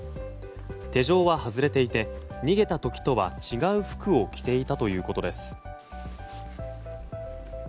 手錠は外れていて逃げた時とは違う服を着ていたということです。